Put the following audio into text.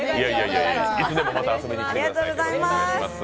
いつでもまた遊びに来てください。